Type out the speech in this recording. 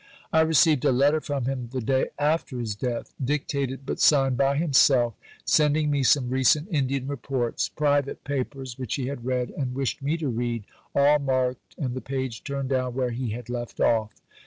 I received a letter from him the day after his death dictated, but signed by himself, sending me some recent Indian Reports private papers which he had read and wished me to read all marked and the page turned down where he had left off.